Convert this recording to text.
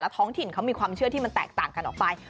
ท้องถิ่นเขามีความเชื่อที่มันแตกต่างกันออกไป